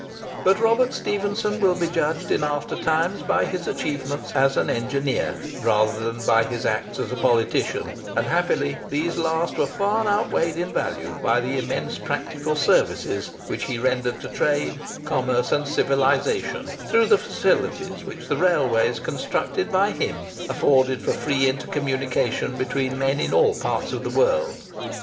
But Robert Stephenson will be judged in after times by his achievements as an engineer, rather than by his acts as a politician; and happily these last were far outweighed in value by the immense practical services which he rendered to trade, commerce, and civilisation, through the facilities which the railways constructed by him afforded for free intercommunication between men in all parts of the world.